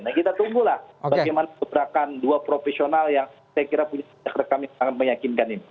nah kita tunggulah bagaimana gebrakan dua profesional yang saya kira punya rekam yang sangat meyakinkan ini